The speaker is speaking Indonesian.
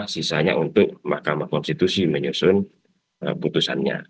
sisanya untuk mahkamah konstitusi menyusun putusannya